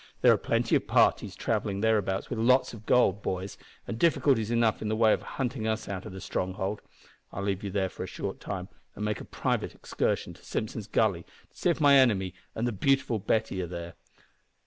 There are plenty of parties travelling thereabouts with lots of gold, boys, and difficulties enough in the way of hunting us out o' the stronghold. I'll leave you there for a short time and make a private excursion to Simpson's Gully, to see if my enemy an' the beautiful Betty are there."